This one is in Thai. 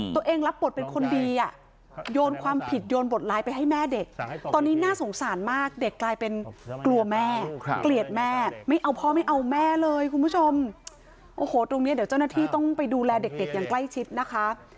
รับบทเป็นคนดีอ่ะโยนความผิดโยนบทร้ายไปให้แม่เด็กตอนนี้น่าสงสารมากเด็กกลายเป็นกลัวแม่เกลียดแม่ไม่เอาพ่อไม่เอาแม่เลยคุณผู้ชมโอ้โหตรงนี้เดี๋ยวเจ้าหน้าที่ต้องไปดูแลเด็กอย่างใกล้ชิดนะคะ